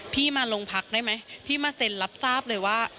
พี่มาโรงพักได้ไหมพี่มาเซ็นรับทราบเลยว่า